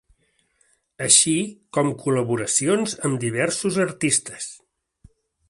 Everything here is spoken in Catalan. Així com col·laboracions amb diversos artistes.